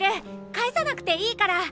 返さなくていいから。